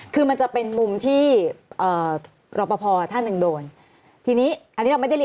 คือมันจะเป็นมุมที่